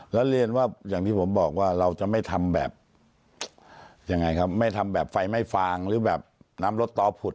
และเรียนว่าอย่างที่ผมบอกว่าเราจะไม่ทำแบบไฟไม่ฟางหรือแบบน้ำรถต่อผุด